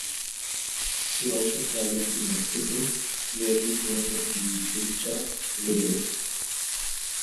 He also traveled to Mexico where he trained in "lucha libre".